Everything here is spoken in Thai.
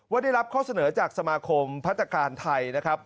ได้รับข้อเสนอจากสมาคมพัฒนาการไทยนะครับ